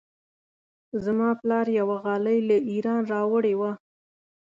زما پلار یوه غالۍ له ایران راوړې وه.